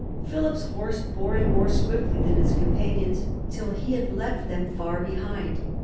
Philip's horse bore him more swiftly than his companions, till he had left them far behind.